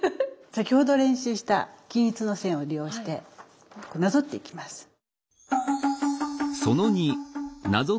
先ほど練習した均一の線を利用してなぞっていきます。